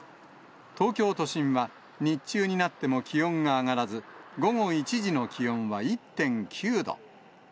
東京都心は日中になっても気温が上がらず、午後１時の気温は１．９度。